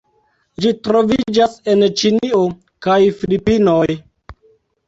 Ĝi troviĝas en Ĉinio kaj Filipinoj.